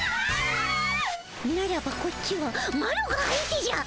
ならばこっちはマロが相手じゃ。